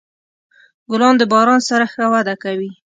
ګلان د باران سره ښه وده کوي.